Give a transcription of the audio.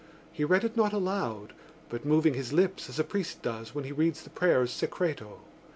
He read it not aloud, but moving his lips as a priest does when he reads the prayers Secreto.